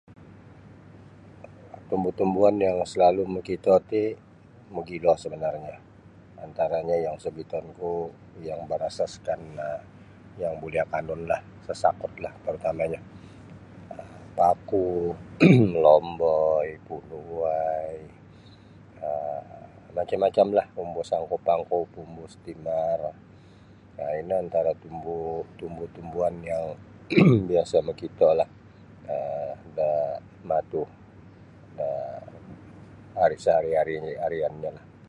Tumbu-tumbuan yang salalu' mokito ti mogilo sabanarnyo antaranyo yang sabitanku yang barasaskan um yang buli akanunlah sasakutlah tarutama'nyo um paku, lomboi, punu' uwai um macam-macamlah umbus angkup-angkup, umbus timaar um ino antara tumbu-tumbuan yang biasa' makito um da matu ari saari-ariannyolah.